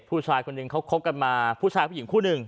ผู้ชายคนหนึ่งเขาคบกันมาผู้ชายผู้หญิงคู่หนึ่ง